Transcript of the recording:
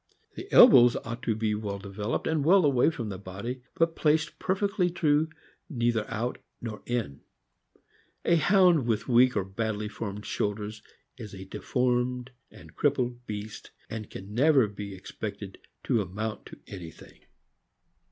The elbow ought to be well developed, and well away from the body, but placed perfectly true— THE FOXHOUND. 199 •.. neither out nor in. A Hound with weak or badly formed shoulders is a deformed and crippled beast, and can never be expected to amount to anything.